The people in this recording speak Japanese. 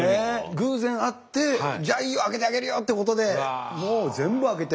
偶然会って「じゃあいいよ開けてあげるよ」ってことでもう全部開けて。